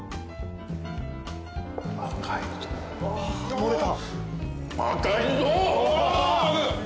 ・漏れた。